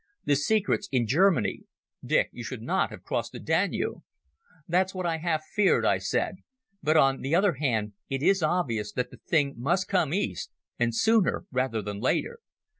The secret's in Germany. Dick, you should not have crossed the Danube." "That's what I half feared," I said. "But on the other hand it is obvious that the thing must come east, and sooner rather than later.